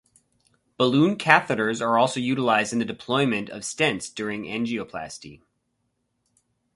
Balloon catheters are also utilized in the deployment of stents during angioplasty.